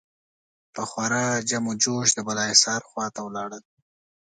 په خورا جم و جوش د بالاحصار خوا ته ولاړل.